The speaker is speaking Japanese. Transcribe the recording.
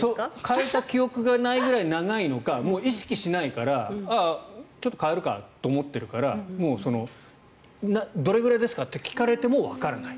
替えた記憶がないぐらい長いのかもう意識しないからちょっと替えるかと思ってるからもうどれくらいですか？って聞かれてもわからない。